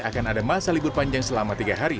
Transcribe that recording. akan ada masa libur panjang selama tiga hari